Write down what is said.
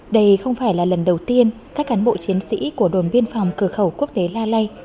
đây không phải là lần đầu tiên các cán bộ chiến sĩ của đồn biên phòng cửa khẩu quốc tế la lây